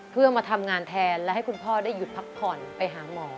เพื่อมาทำงานแทนและให้คุณพ่อได้หยุดพักผ่อนไปหาหมอ